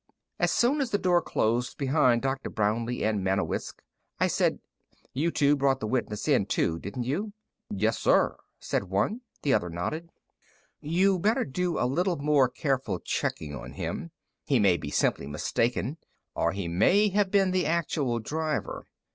As soon as the door closed behind Dr. Brownlee and Manewiscz I said: "You two brought the witness in, too, didn't you?" "Yes, sir," said one. The other nodded. "You'd better do a little more careful checking on him. He may be simply mistaken, or he may have been the actual driver.